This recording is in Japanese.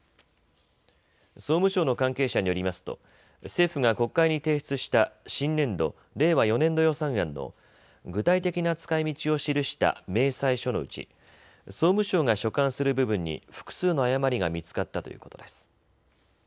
総務省の関係者によりますと政府が国会に提出した新年度・令和４年度予算案の具体的な使いみちを記した明細書のうち総務省が所管する部分に複数の誤りが見つかったということです。